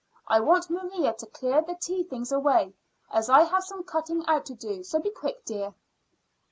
I want Maria to clear the tea things away, as I have some cutting out to do; so be quick, dear."